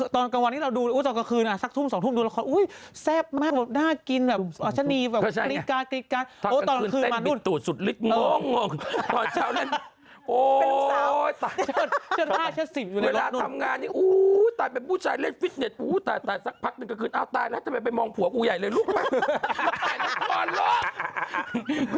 ตอนกลางวันนี้เราดูสักทุ่ม๒ทุ่มดูละครอุ๊ยแซ่บมากหน้ากินแบบอรรชนีแบบกรี๊ดกาตอนกลางวันคืนมาตอนเช้าเล่นโอ๊ยตายเป็นผู้ชายเล่นฟิตเน็ตตายสักพักนึงกลางคืนอ้าวตายแล้วทำไมไปมองผัวกูใหญ่เลยลูกมันตายแล้วก่อนหรอก